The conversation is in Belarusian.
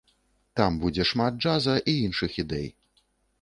Там будзе шмат джаза і іншых ідэй.